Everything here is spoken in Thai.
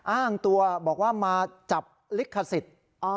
อ้างตัวบอกว่ามาจับลิขสิทธิ์